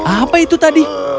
apa itu tadi